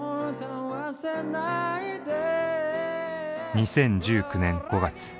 ２０１９年５月。